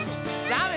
ダメ！